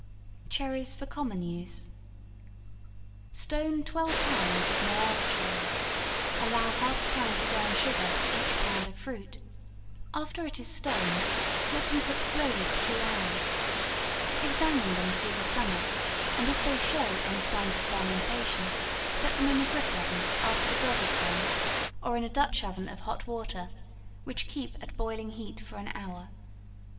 Cherries for Common Use. Stone twelve pounds of morel cherries; allow half a pound of brown sugar to each pound of fruit, after it is stoned, let them cook slowly for two hours; examine them through the summer, and if they show any signs of fermentation, set them in a brick oven, after the bread is done, or in a dutch oven of hot water, which keep at boiling heat for an hour.